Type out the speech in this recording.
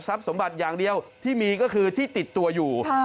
สมบัติอย่างเดียวที่มีก็คือที่ติดตัวอยู่